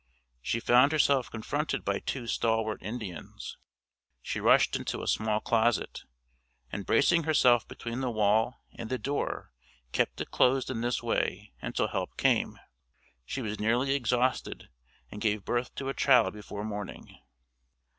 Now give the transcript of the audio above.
She found herself confronted by two stalwart Indians. She rushed into a small closet, and bracing herself between the wall and the door kept it closed in this way until help came. She was nearly exhausted and gave birth to a child before morning.